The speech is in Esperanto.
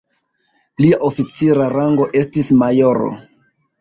Lia oficira rango estis majoro.